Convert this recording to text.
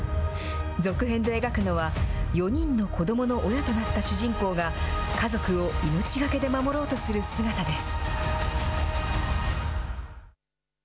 続編で描くのは、４人の子どもの親となった主人公が、家族を命懸けで守ろうとする姿です。